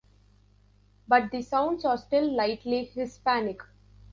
But the sounds are still lightly Hispanic.